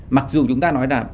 mặc dù chúng ta nói là